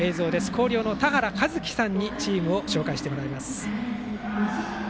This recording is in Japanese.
広陵の田原和樹さんにチームを紹介してもらいます。